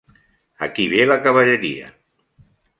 Aquí ve la cavalleria.